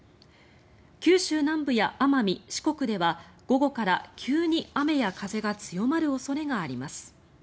九州南部や奄美、四国では午後から急に雨や風が強まる恐れがあります。